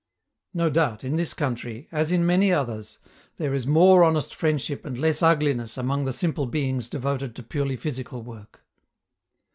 No doubt in this country, as in many others, there is more honest friendship and less ugliness among the simple beings devoted to purely physical work.